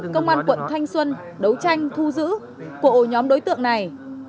công an quận thanh xuân đấu tranh thu giữ của ổ nhóm đối tượng này